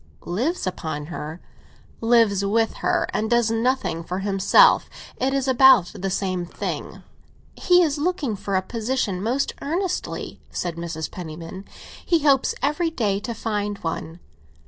"Lives upon her?" "Lives with her, and does nothing for himself; it is about the same thing." "He is looking for a position—most earnestly," said Mrs. Penniman. "He hopes every day to find one."